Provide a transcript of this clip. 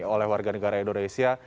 oleh warga negara indonesia